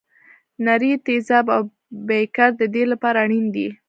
نري تیزاب او بیکر د دې لپاره اړین دي.